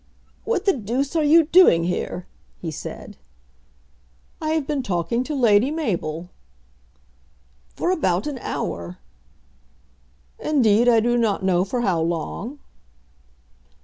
"What the deuce are you doing here?" he said. "I have been talking to Lady Mabel." "For about an hour." "Indeed I do not know for how long."